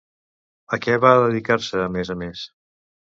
A què va dedicar-se, a més a més?